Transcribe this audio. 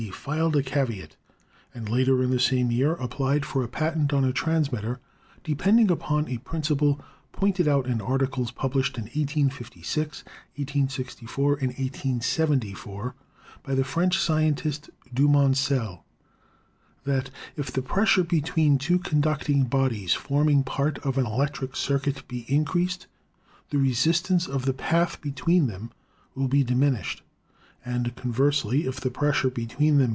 filed a caveat, and later in the same year applied for a patent on a transmitter depending upon a principle pointed out in articles published in 1856, 1864 and 1874 by the French scientist Du Moncel, that if the pressure between two conducting bodies forming part of an electric circuit be increased, the resistance of the path between them will be diminished, and conversely, if the pressure between them.